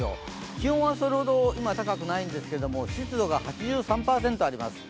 気温はそれほど今、高くないんですが湿度が８３％あります。